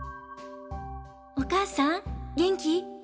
お母さん元気？